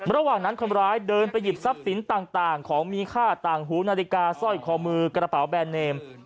ระหว่างนั้นคนร้ายเดินไปหยิบทรัพย์สินต่างของมีค่าต่างหูนาฬิกาสร้อยคอมือกระเป๋าแบรนเนม